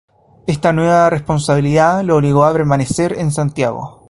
Esta nueva responsabilidad le obligó a permanecer en Santiago.